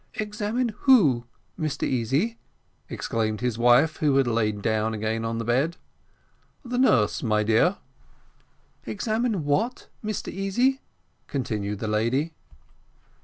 "Examine who, Mr Easy?" exclaimed his wife, who had lain down again on the bed. "The nurse, my dear." "Examine what, Mr Easy?" continued the lady.